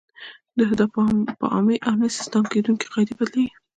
دا په عامې او نه استثنا کېدونکې قاعدې بدلیږي.